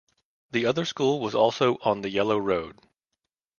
The other school was also on the Yellow Road.